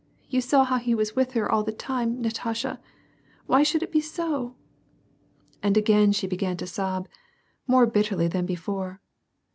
You saw how he was with her all the time, Natasha; why should it be so?'' And again she began to sob, more bitterly than before.